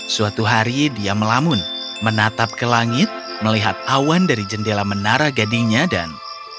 suatu hari dia melamun menatap ke langit melihat awan dari jendela menara gadingnya dan